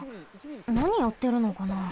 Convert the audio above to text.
なにやってるのかな？